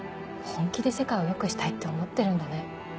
本気で世界を良くしたいって思ってるんだね。